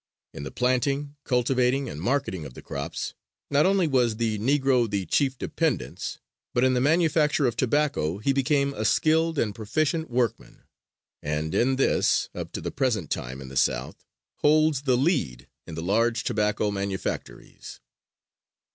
In the planting, cultivating and marketing of the crops not only was the Negro the chief dependence, but in the manufacture of tobacco he became a skilled and proficient workman, and in this, up to the present time, in the South, holds the lead in the large tobacco manufactories.